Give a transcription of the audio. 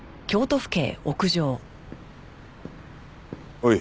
おい。